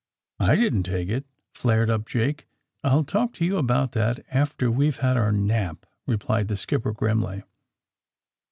^^I didn't take it," flared up Jake. '^I'll talk to you about that after we've had our nap," replied the skipper grimly.